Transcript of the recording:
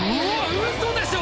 ウソでしょ？